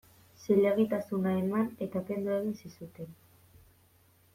Zilegitasuna eman eta kendu egin zizuten.